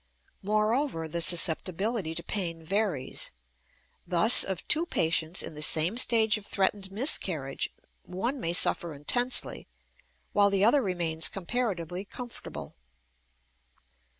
Moreover, the susceptibility to pain varies; thus, of two patients in the same stage of threatened miscarriage one may suffer intensely, while the other remains comparatively comfortable.